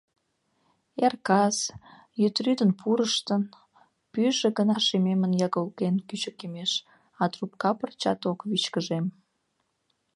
Эр-кас, йӱдрӱдын пурыштын, пӱйжӧ гына шемемын ягылген кӱчыкемеш, а трупка пырчат ок вичкыжем.